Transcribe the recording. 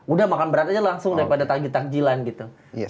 udah makan berat aja langsung daripada takjil takjilan gitu